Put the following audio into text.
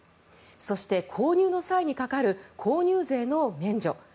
そして、購入の際にかかる購入税の免除。